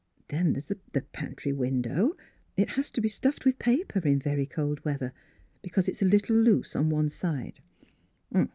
Then there's the pantry window; it has to be stuffed with paper in very cold weather, because it's a little loose on one side."